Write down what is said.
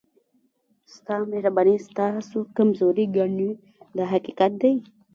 ستا مهرباني ستاسو کمزوري ګڼي دا حقیقت دی.